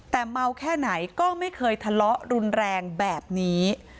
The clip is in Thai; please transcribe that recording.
แต่เมาแค่ไหนก็ไม่เคยทะเลาะรุนแรงแบบนี้